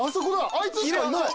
あいつしかいない。